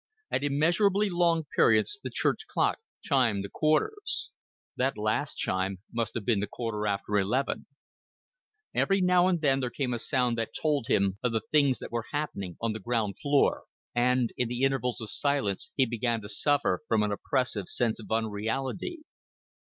At immeasurably long periods the church clock chimed the quarters. That last chime must have been the quarter after eleven. Every now and then there came a sound that told him of the things that were happening on the ground floor; and in the intervals of silence he began to suffer from an oppressive sense of unreality.